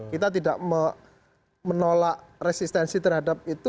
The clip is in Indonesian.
kita tidak menolak resistensi terhadap itu